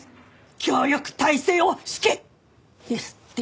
協力体制を敷け！」ですって。